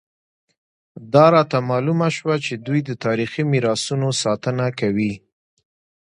دا راته معلومه شوه چې دوی د تاریخي میراثونو ساتنه کوي.